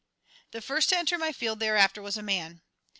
The first to enter my field thereafter was a man.